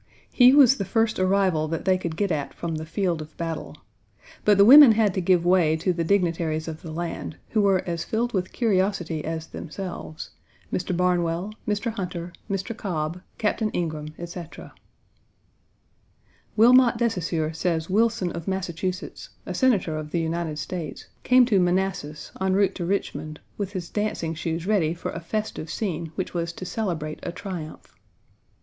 He was the first arrival that they could get at from the field of battle. But the women had to give way to the dignitaries of the land, who were as filled with curiosity as themselves Mr. Barnwell, Mr. Hunter, Mr. Cobb, Captain Ingraham, etc. Wilmot de Saussure says Wilson of Massachusetts, a Senator of the United States,1 came to Manassas, en route to Richmond, with his dancing shoes ready for a festive scene which was to celebrate a triumph.